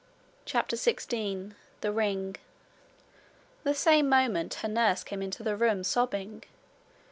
CHAPTER 16 The Ring The same moment her nurse came into the room, sobbing.